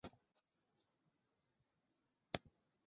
头孢唑肟常态下为白色或淡黄色结晶。